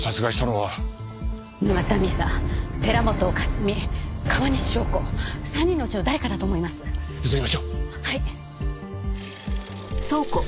はい。